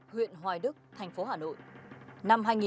huyện hoài đức thành phố hà nội